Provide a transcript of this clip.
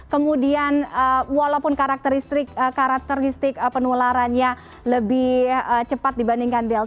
kemudian walaupun karakteristik penularannya lebih cepat dibandingkan delta